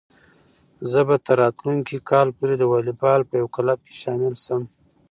زه به تر راتلونکي کال پورې د واليبال په یو کلب کې شامل شم.